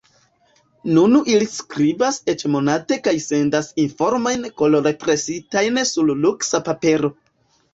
Nun ili skribas eĉ monate kaj sendas informojn kolorpresitajn sur luksa papero.